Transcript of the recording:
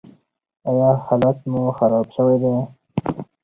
ایا حالت مو خراب شوی دی؟